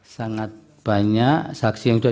sangat banyak saksi yang sudah